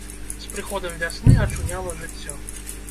З прыходам вясны ачуняла жыццё.